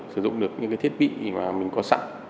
sử dụng được những cái thiết bị mà mình có sẵn